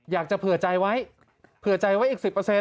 อยากจะเผื่อใจไว้เผื่อใจไว้อีก๑๐